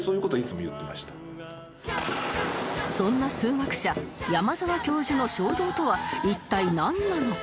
そんな数学者山澤教授の衝動とは一体なんなのか？